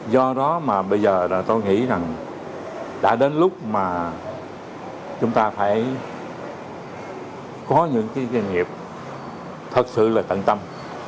do đó mà bây giờ là tôi nghĩ rằng đã đến lúc mà chúng ta phải có những cái doanh nghiệp thật sự là tận tâm